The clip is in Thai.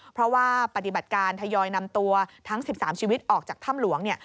เพราะว่าปฏิบัติการทยอยนำตัวทั้ง๑๓ชีวิตออกจากถ้ำหลวงเนี่ย